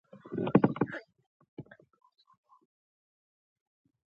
پسه د ښار له شور سره نه جوړيږي.